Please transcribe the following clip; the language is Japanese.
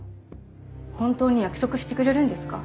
本当に約束してくれるんですか？